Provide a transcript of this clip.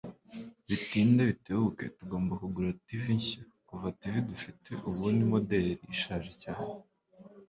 Bitinde bitebuke tugomba kugura TV nshya kuva TV dufite ubu ni moderi ishaje cyane